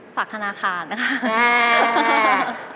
ฝากธนาคารนะคะ